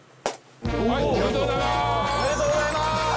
おめでとうございます！